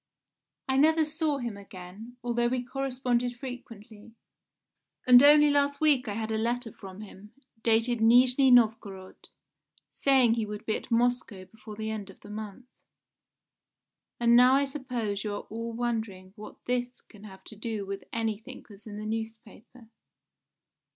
I never saw him again, although we corresponded frequently, and only last week I had a letter from him, dated Nijni Novgorod, saying he would be at Moscow before the end of the month. "And now I suppose you are all wondering what this can have to do with anything that's in the newspaper.